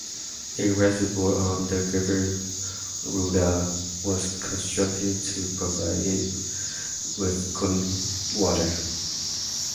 A reservoir on the river Ruda was constructed to provide it with cooling water.